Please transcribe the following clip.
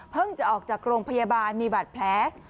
จะออกจากโรงพยาบาลมีบาดแผล